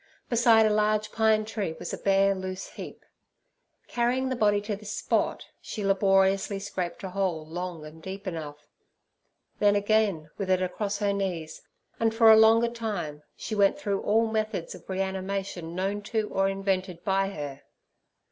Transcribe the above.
Beside a large pine tree was a bare, loose heap; carrying the body to this spot, she laboriously scraped a hole long and deep enough. Then again, with it across her knees, and for a longer time, she went through all methods of reanimation known to or invented by her.